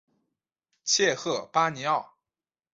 切赫巴尼奥。